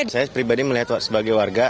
saya pribadi melihat sebagai warga